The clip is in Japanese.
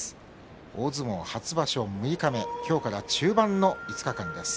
大相撲初場所六日目今日から中盤の５日間です。